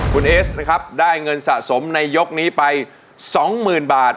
คุณเอสนะครับได้เงินสะสมในยกนี้ไป๒๐๐๐บาท